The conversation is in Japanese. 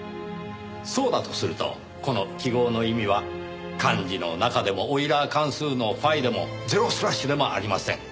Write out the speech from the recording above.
そうだとするとこの記号の意味は漢字の「中」でもオイラー関数のφでもゼロスラッシュでもありません。